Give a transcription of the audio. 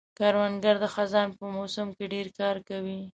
کروندګر د خزان په موسم کې ډېر کار کوي